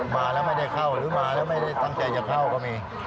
มาแล้วไม่ได้เข้าหรือมาแล้วไม่ได้ตั้งใจจะเข้าก็มี